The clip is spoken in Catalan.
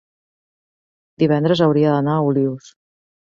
divendres hauria d'anar a Olius.